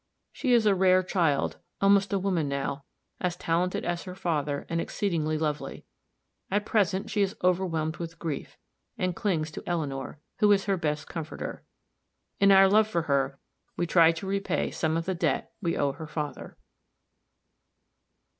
She is a rare child almost a woman now as talented as her father, and exceedingly lovely. At present she is overwhelmed with grief, and clings to Eleanor, who is her best comforter. In our love for her we try to repay some of the debt we owe her father.